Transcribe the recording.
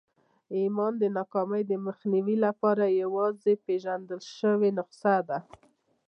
ايمان د ناکامۍ د مخنيوي لپاره يوازېنۍ پېژندل شوې نسخه ده.